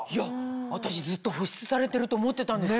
私ずっと保湿されてると思ってたんですよ。